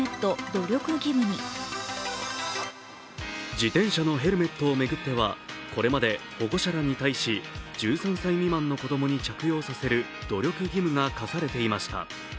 自転車のヘルメットを巡っては、これまで保護者らに対し１３歳未満の子供に着用させる努力義務が課されていました。